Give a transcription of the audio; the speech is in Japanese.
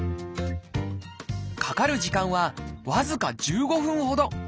かかる時間は僅か１５分ほど。